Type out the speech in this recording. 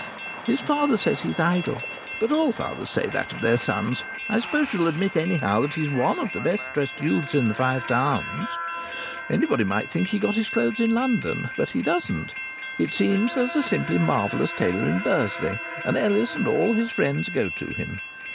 His father says he's idle. But all fathers say that of their sons. I suppose you'll admit anyhow that he's one of the best dressed youths in the Five Towns. Anyone might think he got his clothes in London, but he doesn't. It seems there's a simply marvellous tailor in Bursley, and Ellis and all his friends go to him.